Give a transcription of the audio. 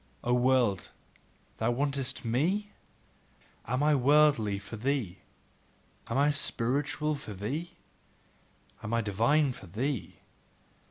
O world, thou wantest ME? Am I worldly for thee? Am I spiritual for thee? Am I divine for thee?